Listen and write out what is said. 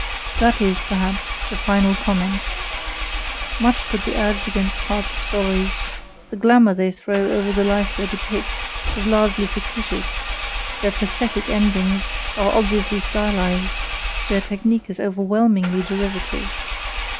That is, perhaps, the final comment. Much could be urged against Harte's stories: the glamor they throw over the life they depict is largely fictitious; their pathetic endings are obviously stylized; their technique is overwhelmingly derivative.